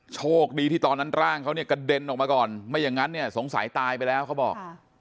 โชคดีที่ตอนนั้นร่างเขาเนี่ยกระเด็นออกมาก่อนไม่อย่างนั้นเนี่ยสงสัยตายไปแล้วเขาบอก